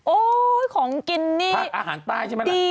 โอ๊ยของกินนี่ดีงามอล่างฉากมาก